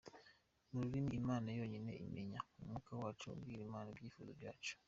Mu rurimi Imana yonyine imenya, umwuka wacu ubwira Imana ibyifuzo byacu.